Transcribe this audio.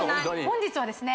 本日はですね